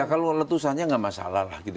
kalau letusannya tidak masalah